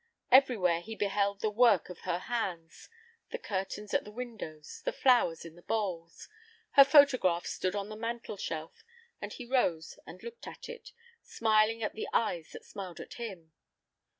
Everywhere he beheld the work of her hands—the curtains at the windows, the flowers in the bowls. Her photograph stood on the mantel shelf, and he rose and looked at it, smiling at the eyes that smiled at him.